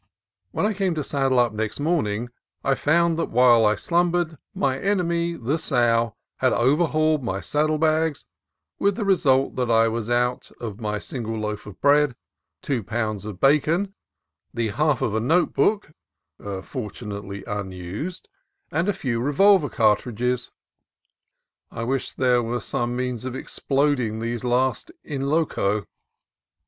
When I came to saddle up next morning, I found that while I slumbered my enemy the sow had over hauled my saddle bags, with the result that I was "out" my single loaf of bread, two pounds of bacon, the half of a note book (fortunately unused), and DRAKE'S BAY 251 a few revolver cartridges. I wished there were some means of exploding these last, in loco.